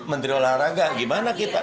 menteri olahraga gimana kita